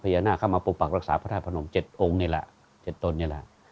พญานาคเข้ามาปรุปักรักษาพระธาพนม๗องค์นี่แหละ๗ต้นนี่แหละ